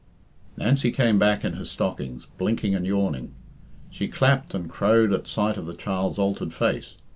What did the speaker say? Nancy came back in her stockings, blinking and yawning. She clapped and crowed at sight of the child's altered face.